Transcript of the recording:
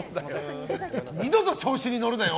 二度と調子に乗るなよ！